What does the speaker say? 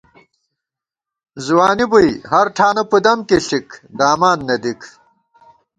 ځوانی بُوئی ہر ٹھانہ پُدَم کی ݪِک ، دامان نہ دِک